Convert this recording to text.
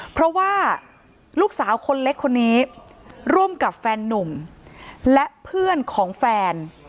เพราะว่าลูกสาวคนเล็กคนนี้ร่วมกับแฟนนุ่มและเพื่อนของแฟน